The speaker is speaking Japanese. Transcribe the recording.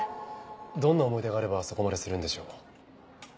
どんな思い出があればそこまでするんでしょう？